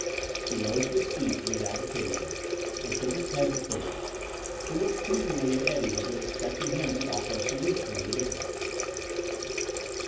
He rose to his feet in his agitation and shook his head to clear it. He looked pleadingly at Eddie as if expecting him to offer a solution of the difficulty.